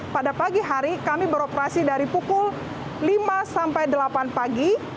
pada pagi hari kami beroperasi dari pukul lima sampai delapan pagi